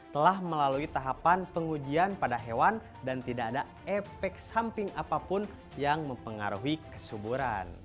telah melalui tahapan pengujian pada hewan dan tidak ada efek samping apapun yang mempengaruhi kesuburan